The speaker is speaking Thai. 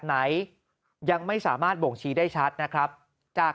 ไหนยังไม่สามารถบ่งชี้ได้ชัดนะครับจาก